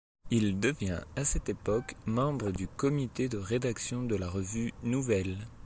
Il devient à cette époque membre du Comité de rédaction de la Revue Nouvelle.